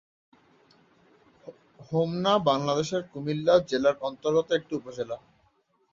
হোমনা বাংলাদেশের কুমিল্লা জেলার অন্তর্গত একটি উপজেলা।